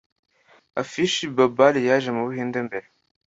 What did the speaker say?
Ifishi Babar yaje mu Buhinde mbere